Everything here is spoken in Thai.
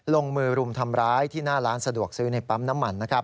ลงมือรุมทำร้ายที่หน้าร้านสะดวกซื้อในปั๊มน้ำมัน